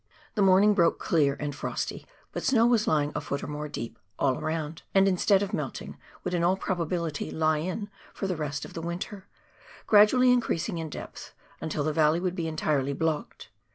The morning broke clear and frosty, but snow was lying a foot or more deep all round, and, instead of melting, would in all probability lie for the rest of the winter, gradually in creasing in depth, until the valley would be entirely blocked.